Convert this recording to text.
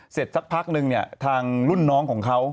สักพักนึงเนี่ยทางรุ่นน้องของเขา